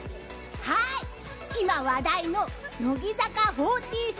今話題の乃木坂４６